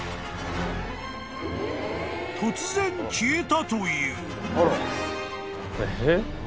［突然消えたという］えっ！？